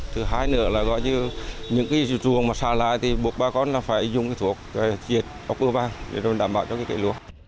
thứ hai nữa là những ruộng mà xa lại thì buộc bà con phải dùng thuộc thiệt ốc biêu vàng để đảm bảo cho cây lúa